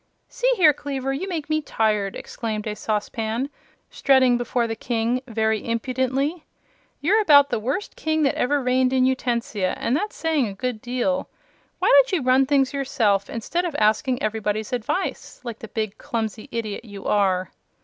"See here, Kleaver; you make me tired," said a saucepan, strutting before the King very impudently. "You're about the worst King that ever reigned in Utensia, and that's saying a good deal. Why don't you run things yourself, instead of asking everybody's advice, like the big, clumsy idiot you are?"